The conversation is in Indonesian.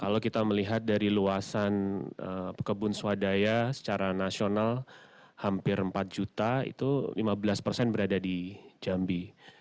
kalau kita melihat dari luasan kebun swadaya secara nasional hampir empat juta itu lima belas persen berada di jambi